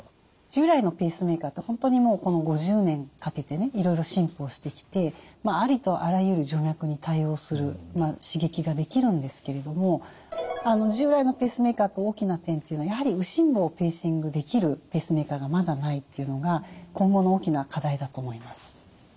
従来のペースメーカーって本当にもうこの５０年かけてねいろいろ進歩してきてありとあらゆる徐脈に対応する刺激ができるんですけれども従来のペースメーカーとの大きな点っていうのはやはり右心房をペーシングできるペースメーカーがまだないっていうのが今後の大きな課題だと思います。